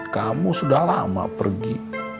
kamu sudah lama pergi